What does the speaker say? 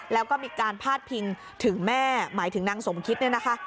แล้วก็มีการพาดพิงถึงแม่หมายถึงนางสมคิดเนี่ยนะคะ